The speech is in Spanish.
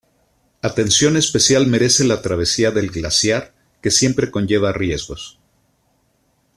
Atención especial merece la travesía del glaciar, que siempre conlleva riesgos.